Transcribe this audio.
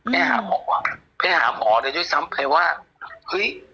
ไปหาหมอว่ะไปหาหมอเลยด้วยซ้ำไปว่าเฮ้ย